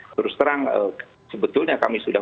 terus terang sebetulnya kami sudah